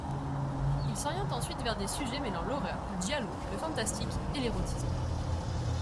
Il s'oriente ensuite vers des sujets mêlant l'horreur, le giallo, le fantastique et l'érotisme.